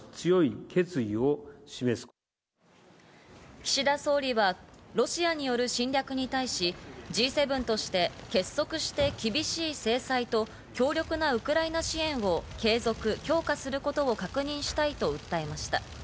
岸田総理は今後、ロシアによる侵略に対し、Ｇ７として結束して厳しい制裁と強力なウクライナ支援を継続、強化すること確認したいと訴えました。